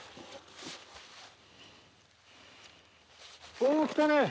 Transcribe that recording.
おお来たね！